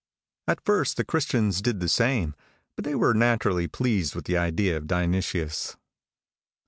At first the Christians did the same; but they were naturally pleased with the idea of Dionysius."